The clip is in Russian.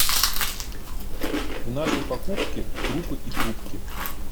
В нашей покупке — крупы и крупки.